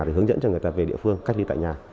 để hướng dẫn cho người ta về địa phương cách ly tại nhà